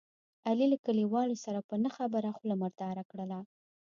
علي له کلیوالو سره په نه خبره خوله مرداره کړله.